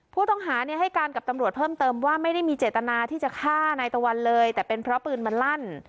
ผู้ต้องหาเนี่ยให้การกับตำรวจเพิ่มเติมว่าไม่ได้มีเจตนาที่จะฆ่านายตะวันเลยแต่เป็นเพราะปืนมันลั่น